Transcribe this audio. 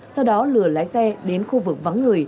sau đó lừa lái xe đến khu vực vắng người